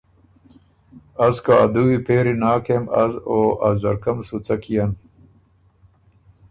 از که ا دُوی پېری ناک کېم از او ا ځرکۀ م سُو څۀ کيېن؟